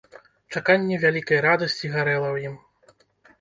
Чаканне вялікай радасці гарэла ў ім.